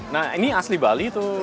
nah ini asli bali tuh